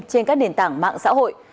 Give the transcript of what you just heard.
trên các nền tảng mạng xã hội